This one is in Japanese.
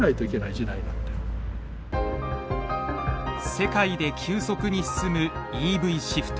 世界で急速に進むＥＶシフト。